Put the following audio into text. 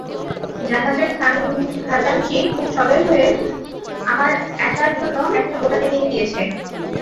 জাহাজের খাজাঞ্চী খুব সদয় হয়ে আমার একার জন্য একটা গোটা কেবিন দিয়েছে।